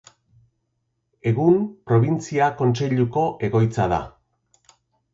Egun, Probintzia Kontseiluko egoitza da.